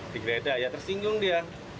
degledah ya tersinggung dia